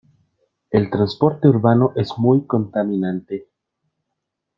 El transporte urbano es muy contaminante.